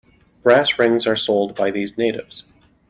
Brass rings are sold by these natives.